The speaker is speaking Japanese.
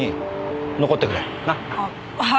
あっはい。